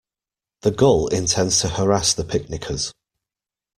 The gull intends to harass the picnickers.